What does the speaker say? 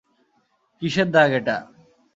কীসের দাগ এটা?